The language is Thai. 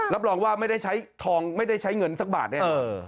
รับรองว่าไม่ได้ใช้ทองไม่ได้ใช้เงินสักบาทเนี่ย